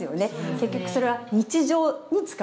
結局それは日常に使う書体。